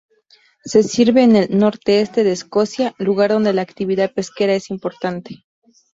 Se sirve en el Norte-Este de Escocia, lugar donde la actividad pesquera es importante.